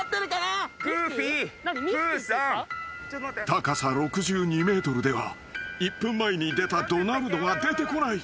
［高さ６２ｍでは１分前に出たドナルドが出てこない］